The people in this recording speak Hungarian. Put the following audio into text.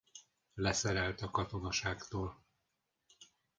Leszerelt a katonaságtól.